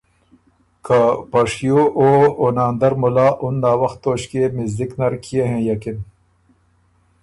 که په شیو او او ناندر مُلا اُن ناوخت توݭکيې مِزدِک نر کيې هېںئکِن۔